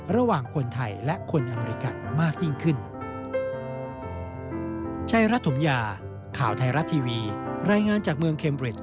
ระหว่างคนไทยและคนอเมริกันมากยิ่งขึ้น